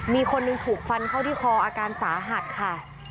มีคนหนึ่งถูกฟันเข้าที่คออาการสาหัสค่ะ